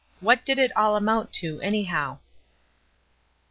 "WHAT DID IT ALL AMOUNT TO, ANYHOW?"